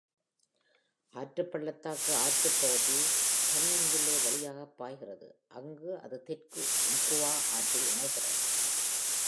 ஆற்றுப்பள்ளத்தாக்கு ஆற்றுப்பகுதி கனியன்வில்லே வழியாக பாய்கிறது, அங்கு அது தெற்கு உம்ப்குவா ஆற்றில் இணைகிறது.